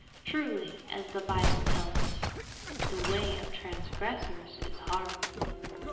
Truly, as the Bible tells us, "the way of transgressors is hard."